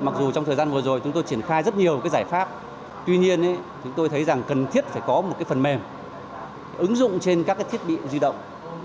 mặc dù trong thời gian vừa rồi chúng tôi triển khai rất nhiều giải pháp tuy nhiên chúng tôi thấy rằng cần thiết phải có một phần mềm ứng dụng trên các thiết bị di động